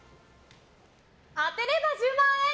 当てれば１０万円！